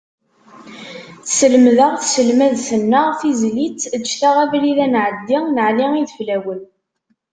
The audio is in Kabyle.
Tselmed-aɣ tselmadt-nneɣ tizlit eǧǧet-aɣ abrid ad nɛeddin n Ɛli Ideflawen.